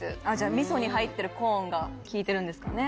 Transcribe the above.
味噌に入ってるコーンが効いてるんですかね。